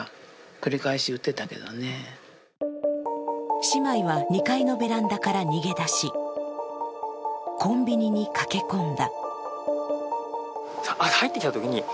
火が出る直前姉妹は２階のベランダから逃げだし、コンビニに駆け込んだ。